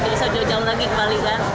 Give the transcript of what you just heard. gak bisa jauh jauh lagi ke bali kan